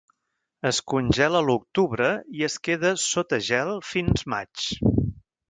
Es congela a l'octubre i es queda sota gel fins maig.